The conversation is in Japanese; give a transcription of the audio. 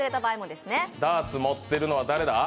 ダーツ持ってるのは誰だ？